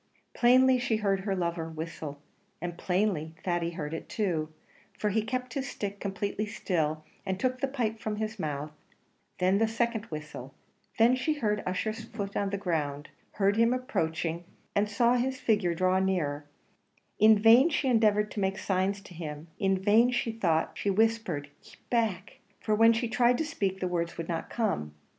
Plainly she heard her lover whistle; and plainly Thady heard it too, for he kept his stick completely still, and took the pipe from his mouth: then the second whistle then she heard Ussher's foot on the ground heard him approaching, and saw his figure draw nearer; in vain she endeavoured to make signs to him, in vain she thought she whispered, "keep back;" for when she tried to speak, the words would not come.